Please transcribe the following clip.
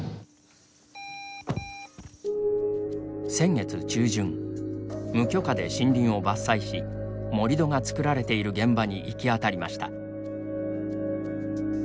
先月中旬、無許可で森林を伐採し盛り土がつくられている現場に行き当たりました。